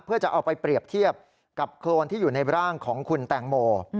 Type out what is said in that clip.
เพื่อจะเอาไปเปรียบเทียบกับโครนที่อยู่ในร่างของคุณแตงโม